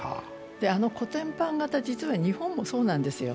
あのコテンパン型、実は日本もそうなんですよ。